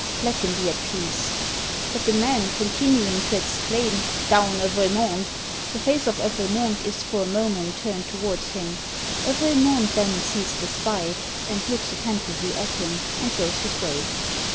Let him be at peace." But the man continuing to exclaim, "Down, Evre monde!" the face of Evremonde is for a moment turned towards him. Evremonde then sees the spy, and looks attentively at him, and goes his way.